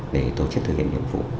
để tổ chức thực hiện nhiệm vụ